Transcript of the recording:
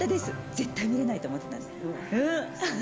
絶対見れないと思ってたんです。